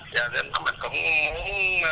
để về một cái trường này